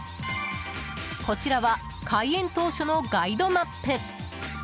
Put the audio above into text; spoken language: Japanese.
こちらは開園当初のガイドマップ。